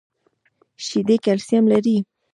شیدې کلسیم لري